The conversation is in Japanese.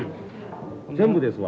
全部ですわ。